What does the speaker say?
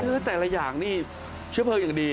คือแต่ละอย่างนี่เชื้อเพลิงอย่างดี